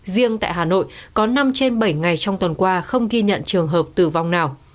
riêng tại hà nội có năm trên bảy ngày trong tuần qua không ghi nhận trường hợp tử vong nào